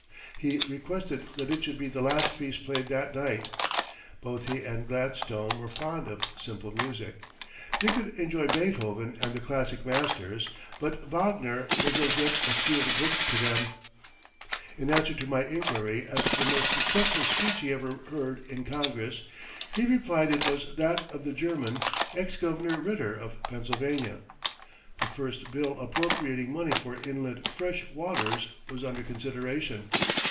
He requested that it should be the last piece played that night. Both he and Gladstone were fond of simple music. They could enjoy Beethoven and the classic masters, but Wagner was as yet a sealed book to them. In answer to my inquiry as to the most successful speech he ever heard in Congress, he replied it was that of the German, ex Governor Ritter of Pennsylvania. The first bill appropriating money for inland fresh waters was under consideration.